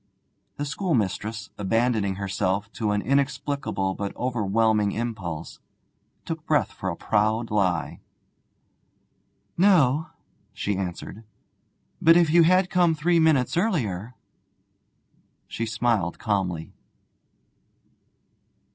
The schoolmistress, abandoning herself to an inexplicable but overwhelming impulse, took breath for a proud lie. 'No,' she answered; 'but if you had come three minutes earlier ' She smiled calmly.